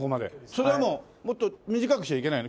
それはもうもっと短くしちゃいけないの？